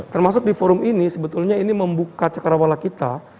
termasuk di forum ini sebetulnya ini membuka cekarawala kita